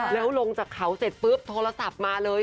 แล้วลงจากเขาเสร็จปุ๊บโทรศัพท์มาเลย